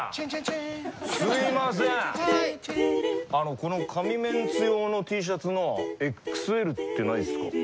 この神メンツ用ＴシャツのＸＬってないですか？